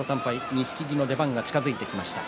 錦木の出番が近づいてきました。